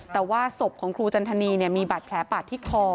แต่ว่าศพของครูจันทนีมีบาดแผลปาดที่คอ